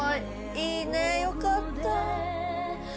いいねよかった。